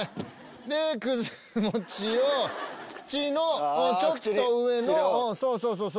でくず餅を口のちょっと上のそうそう。